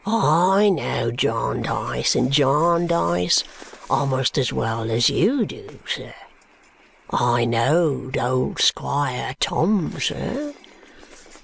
I know Jarndyce and Jarndyce a'most as well as you do, sir. I knowed old Squire Tom, sir.